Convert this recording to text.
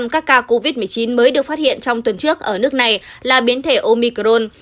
một mươi các ca covid một mươi chín mới được phát hiện trong tuần trước ở nước này là biến thể omicron